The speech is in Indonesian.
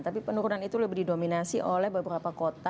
tapi penurunan itu lebih didominasi oleh beberapa kota